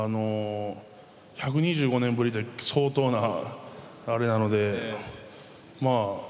１２５年ぶりって相当なあれなのでまあ